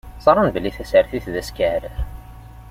Ẓṛan belli tasertit d askeɛrer.